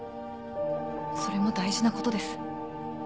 それも大事なことです。